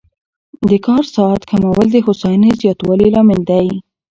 د کار ساعت کمول د هوساینې زیاتوالي لامل دی.